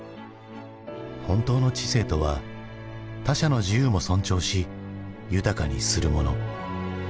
本当の知性とは他者の自由も尊重し豊かにするもの。